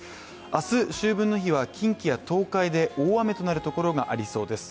明日秋分の日は近畿や東海で大雨となるところがありそうです。